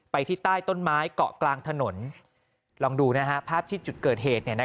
ที่ใต้ต้นไม้เกาะกลางถนนลองดูภาพที่จุดเกิดเหตุ